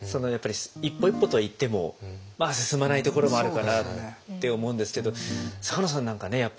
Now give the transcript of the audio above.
やっぱり一歩一歩といってもまあ進まないところもあるかなって思うんですけど坂野さんなんかね